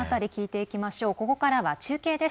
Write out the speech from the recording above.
ここからは中継です。